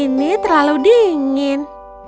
bubur ini terlalu dingin